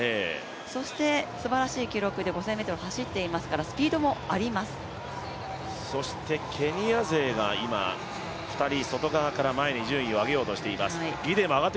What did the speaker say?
そしてすばらしい記録を５０００ｍ走っていますからそしてケニア勢が今２人、外側から前に順位を上げようとしています。